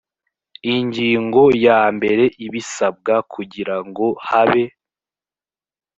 ingingo ya mbere ibisabwa kugira ngo habe